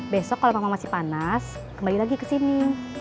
besok kalo mama masih panas kembali lagi kesini